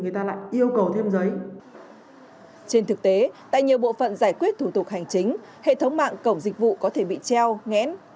trên thực tế tại nhiều bộ phận giải quyết thủ tục hành chính hệ thống mạng cổng dịch vụ có thể bị treo ngẽn